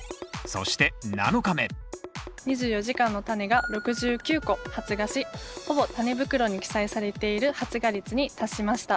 そして７日目２４時間のタネが６９個発芽しほぼタネ袋に記載されている発芽率に達しました。